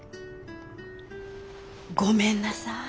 ごめんなさい。